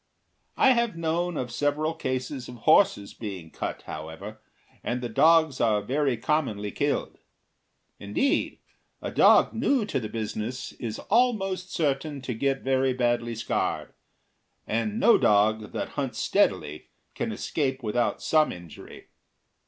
I have known of several cases of horses being cut, however, and the dogs are very commonly killed. Indeed, a dog new to the business is almost certain to get very badly scarred, and no dog that hunts steadily can escape without some injury.